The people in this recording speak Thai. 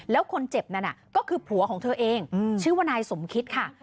แล้วคนเจ็บนั้นก็คือผัวของเธอเองชื่อว่านายสมคิดค่ะ